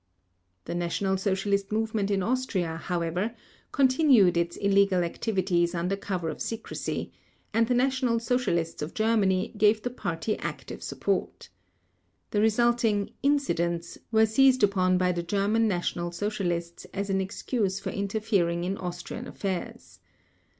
The National Socialist movement in Austria however continued its illegal activities under cover of secrecy; and the National Socialists of Germany gave the Party active support. The resulting "incidents" were seized upon by the German National Socialists as an excuse for interfering in Austrian affairs.